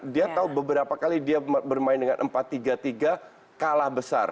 dia tahu beberapa kali dia bermain dengan empat tiga tiga kalah besar